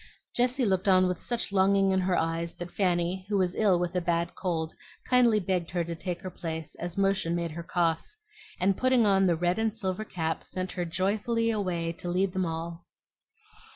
Jessie looked on with such longing in her eyes that Fanny, who was ill with a bad cold, kindly begged her to take her place, as motion made her cough, and putting on the red and silver cap sent her joyfully away to lead them all.